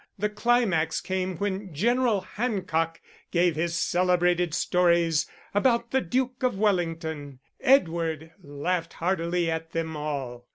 The climax came when General Hancock gave his celebrated stories about the Duke of Wellington. Edward laughed heartily at them all.